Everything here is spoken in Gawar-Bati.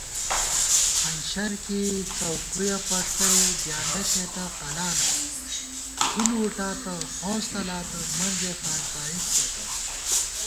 ہنشر کېئی څؤکُیَہ پݭٹَئی ڈیانڈہ ݪېتہ قلانہ * تُھن وُٹاتہ ہونس تلاتہ منزےفالڅائیک ݪېتہ